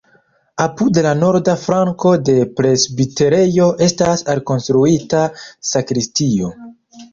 Apud la norda flanko de presbiterejo estas alkonstruita sakristio.